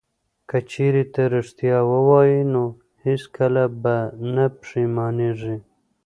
که چیرې ته ریښتیا ووایې نو هیڅکله به نه پښیمانیږې.